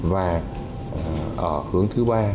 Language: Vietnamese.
và ở hướng thứ ba